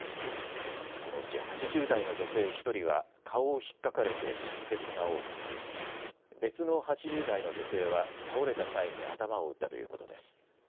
このうち８０代の女性１人は顔をひっかかれて出血が多く、別の８０代の女性は倒れた際に頭を打ったということです。